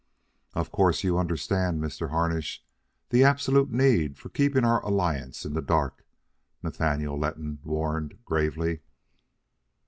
"Of course, you understand, Mr. Harnish, the absolute need for keeping our alliance in the dark," Nathaniel Letton warned gravely.